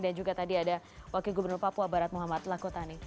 dan juga tadi ada wakil gubernur papua barat muhammad lakotani